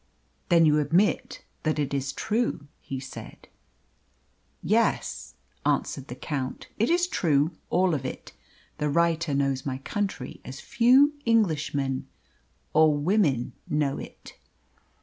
"Then you admit that it is true," he said. "Yes," answered the Count; "it is true all of it. The writer knows my country as few Englishmen or WOMEN know it."